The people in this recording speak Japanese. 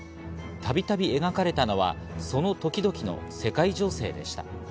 たびたび描かれたのは、その時々の世界情勢でした。